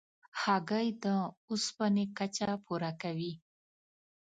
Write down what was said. هګۍ د اوسپنې کچه پوره کوي.